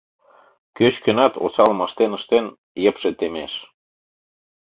Кеч-кӧнат, осалым ыштен-ыштен, йыпше темеш.